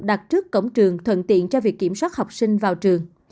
đặt trước cổng trường thuận tiện cho việc kiểm soát học sinh vào trường